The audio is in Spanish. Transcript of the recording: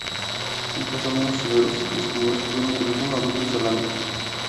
En casos menos severos, los tumores pueden ocurrir una o dos veces al año.